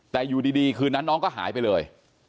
แต่อยู่ดีคืนนั้นน้องก็หายไปเลย